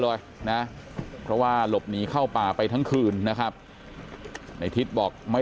เลยนะเพราะว่าหลบหนีเข้าป่าไปทั้งคืนนะครับในทิศบอกไม่